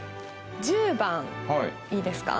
１０番いいですか？